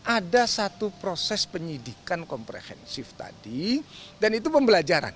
ada satu proses penyidikan komprehensif tadi dan itu pembelajaran